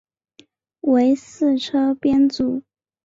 为四车编组。